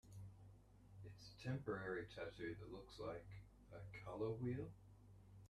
It's a temporary tattoo that looks like... a color wheel?